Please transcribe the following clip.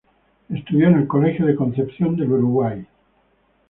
Estudió en el Colegio de Concepción del Uruguay.